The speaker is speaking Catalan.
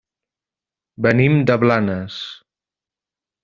Venim de Blanes.